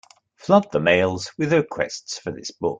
Flood the mails with requests for this book.